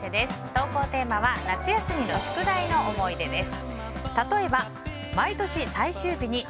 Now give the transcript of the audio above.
投稿テーマは夏休みの宿題の思い出です。